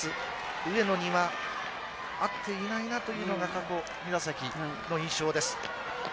上野には合っていないなというのが過去２打席の印象です。